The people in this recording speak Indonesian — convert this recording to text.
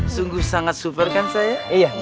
sungguh sangat super kan saya